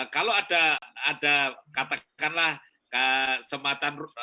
kalau ada katakanlah semata